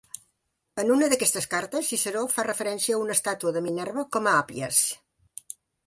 En una d'aquestes cartes, Ciceró fa referència a una estàtua de Minerva com a Appias.